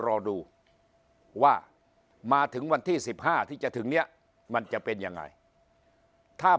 รอดูว่ามาถึงวันที่๑๕ที่จะถึงนี้มันจะเป็นยังไงถ้า